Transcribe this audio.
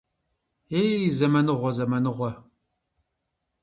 Ей, зэманыгъуэ, зэманыгъуэ!